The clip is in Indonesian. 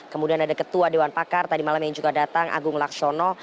kemudian ada ketua dewan pakar tadi malam yang juga datang agung laksono